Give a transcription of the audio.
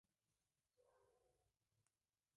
Su hermano menor es el presentador Richard Cadell.